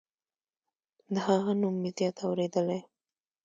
د هغه نوم مې زیات اوریدلی